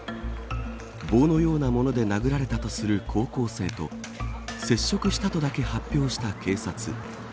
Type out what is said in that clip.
棒のようなもので殴られたとする高校生と接触したとだけ発表した警察。